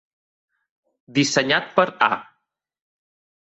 Dissenyat per A.